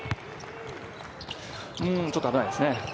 ちょっと危ないですね。